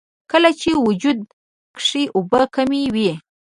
کله چې وجود کښې اوبۀ کمې وي